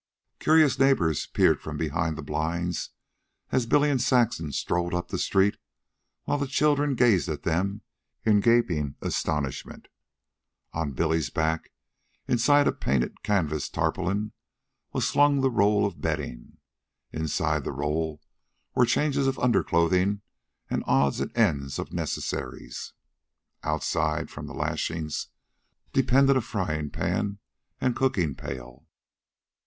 Curious neighbors peeped from behind the blinds as Billy and Saxon strode up the street, while the children gazed at them in gaping astonishment. On Billy's back, inside a painted canvas tarpaulin, was slung the roll of bedding. Inside the roll were changes of underclothing and odds and ends of necessaries. Outside, from the lashings, depended a frying pan and cooking pail.